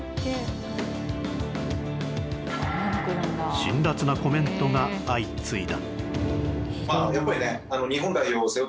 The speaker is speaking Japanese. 辛らつなコメントが相次いだ。